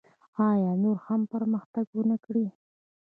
آیا نور هم پرمختګ ونکړي؟